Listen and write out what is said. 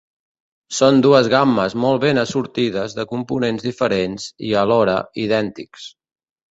Són dues gammes molt ben assortides de components diferents i, alhora, idèntics.